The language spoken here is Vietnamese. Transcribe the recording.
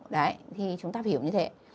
đấy thì chúng ta hiểu như thế